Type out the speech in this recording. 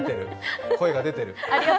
声が出てる。